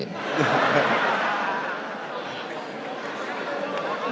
tidak mau ditempuhi